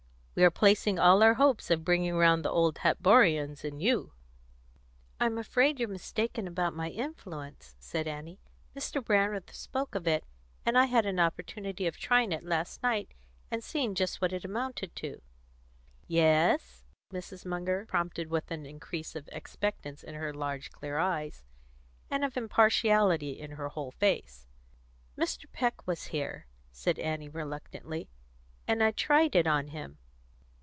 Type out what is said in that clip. "We are placing all our hopes of bringing round the Old Hatborians in you." "I'm afraid you're mistaken about my influence," said Annie. "Mr. Brandreth spoke of it, and I had an opportunity of trying it last night, and seeing just what it amounted to." "Yes?" Mrs. Munger prompted, with an increase of expectance in her large clear eyes, and of impartiality in her whole face. "Mr. Peck was here," said Annie reluctantly, "and I tried it on him."